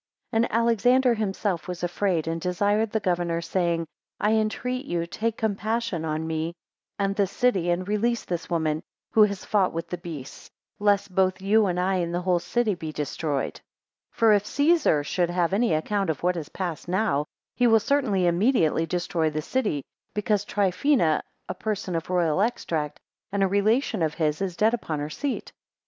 15 And Alexander himself was afraid, and desired the governor, saying: I entreat you, take compassion on me and the city, and release this woman, who has fought with the beasts; lest both you and I, and the whole city, be destroyed; 16 For if Caesar should have any account of what has passed now, he will certainly immediately destroy the city, because Trifina, a person of royal extract, and a relation of his, is dead upon her seat.